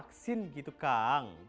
vaksin gitu kang